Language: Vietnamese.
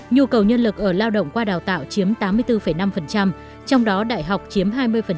nhu cầu nhân lực ở lao động qua đào tạo chiếm tám mươi bốn năm trong đó đại học chiếm hai mươi